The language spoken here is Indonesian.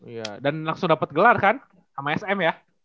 iya dan langsung dapet gelar kan sama sm ya